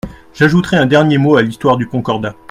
J’ajouterai un dernier mot à l’histoire du Concordat.